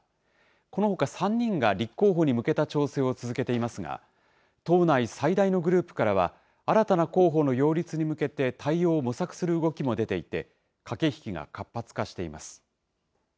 このほか３人が立候補に向けた調整を続けていますが、党内最大のグループからは、新たな候補の擁立に向けて対応を模索する動きも出ていて、駆け引きが活発化しています。